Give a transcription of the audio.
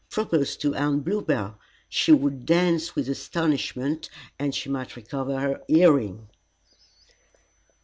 Propose to Aunt Bluebell; she would dance with astonishment, and she might recover her hearing."